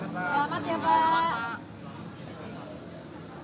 selamat ya pak